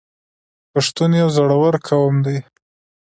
پښتون یو زړور قوم دی.